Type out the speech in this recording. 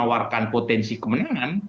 menawarkan potensi kemenangan